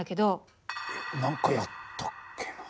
えっ何かやったっけな？